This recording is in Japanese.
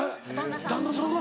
旦那さんが？